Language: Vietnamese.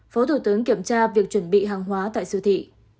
phó thủ tướng kiểm tra việc chuẩn bị hàng hóa tại siêu thị